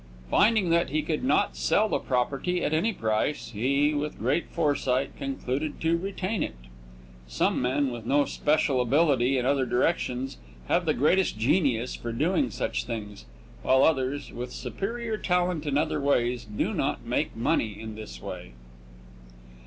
Finding that he could not sell the property at any price, he, with great foresight, concluded to retain it. Some men, with no special ability in other directions, have the greatest genius for doing such things, while others, with superior talent in other ways, do not make money in this way.